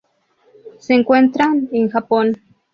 Se encuentran en Japón.